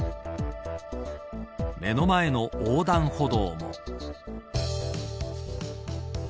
目の前の横断歩道も。